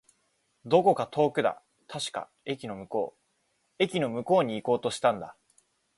どこか遠くだ。確か、駅の向こう。駅の向こうに行こうとしたんだ。